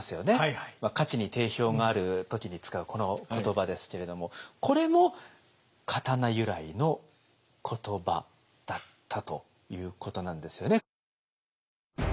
価値に定評がある時に使うこの言葉ですけれどもこれも刀由来の言葉だったということなんですよね。